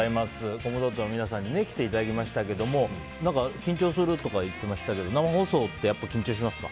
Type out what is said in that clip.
コムドットの皆さんに来ていただきましたが緊張するとか言ってましたけど生放送って緊張しますか？